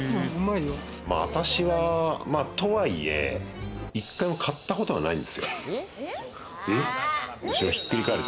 私は、とは言え１回も買ったことがないんですよ。